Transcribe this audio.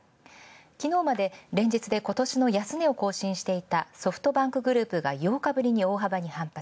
きのうまで連日で今年の安値を更新していたソフトバンクグループが八日ぶりに大幅に反発。